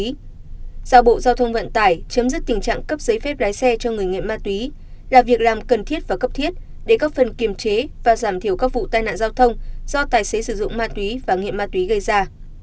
bộ giao bộ giao thông vận tải chấm dứt tình trạng cấp giấy phép lái xe cho người nghiện ma túy là việc làm cần thiết và cấp thiết để góp phần kiềm chế và giảm thiểu các vụ tai nạn giao thông do tài xế sử dụng ma túy và nghiện ma túy gây ra